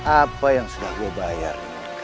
apa yang sudah gue bayar